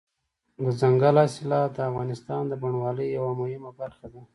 دځنګل حاصلات د افغانستان د بڼوالۍ یوه مهمه برخه ده.